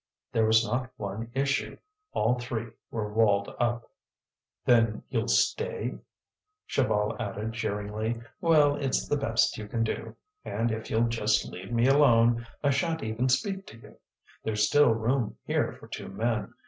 There was not one issue; all three were walled up. "Then you'll stay?" Chaval added, jeeringly. "Well, it's the best you can do, and if you'll just leave me alone, I shan't even speak to you. There's still room here for two men.